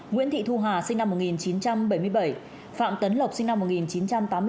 nguyễn thị thu hà sinh năm một nghìn chín trăm bảy mươi bảy phạm tấn lộc sinh năm một nghìn chín trăm tám mươi bốn